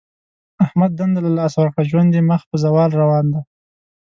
احمد دنده له لاسه ورکړه. ژوند یې مخ په زوال روان دی.